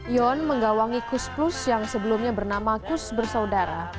yon menggawangi kus plus yang sebelumnya bernama kus bersaudara